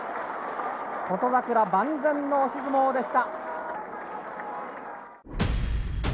琴櫻、万全の押し相撲でした。